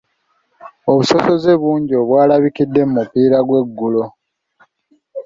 Obusosoze bungi obwalabikidde mu mupiira gw'eggulo.